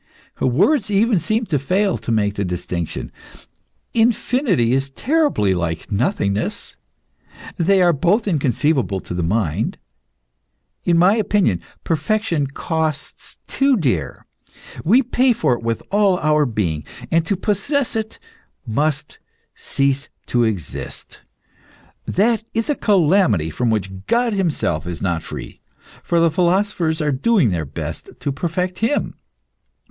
Words even seem to fail to make the distinction. Infinity is terribly like nothingness they are both inconceivable to the mind. In my opinion perfection costs too dear; we pay for it with all our being, and to possess it must cease to exist. That is a calamity from which God Himself is not free, for the philosophers are doing their best to perfect Him.